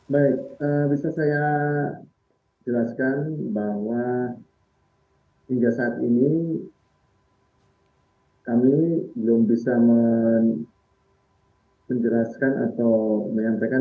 baik bisa saya jelaskan bahwa hingga saat ini kami belum bisa menjelaskan atau menyampaikan